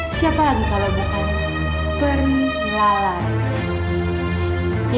siapa lagi kalau bukan perni lalai